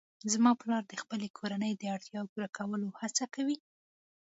زما پلار د خپلې کورنۍ د اړتیاوو پوره کولو هڅه کوي